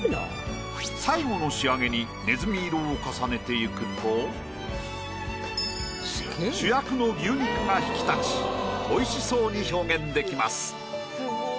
最後の仕上げにねずみ色を重ねていくと主役の牛肉が引き立ち美味しそうに表現できます。